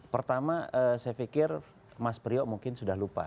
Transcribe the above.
pertama saya pikir mas priyo mungkin sudah lupa